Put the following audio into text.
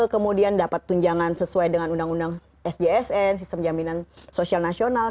kemudian dapat tunjangan sesuai dengan undang undang sjsn sistem jaminan sosial nasional